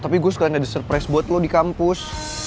tapi gue sekalian ada surprise buat lo di kampus